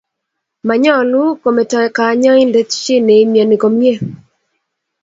Manyolu kometo kanyaindet chi nemiani kome.